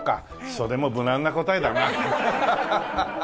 それも無難な答えだな。